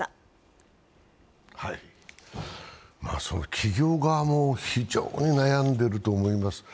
企業側も非常に悩んでいると思います。